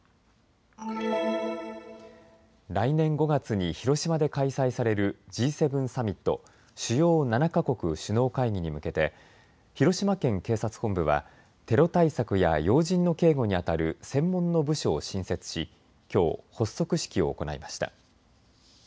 来年５月に広島で開催されるＧ７サミット・主要７か国首脳会議に向けて広島県警察本部はテロ対策や要人の警護にあたる専門の部署を新設しきょう発足式を行いました。